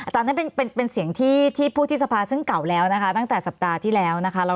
แต่นะเป็นเสียงที่พุทธศพซึ่งเก่าแล้วตั้งแต่สัปดาห์ที่แล้ว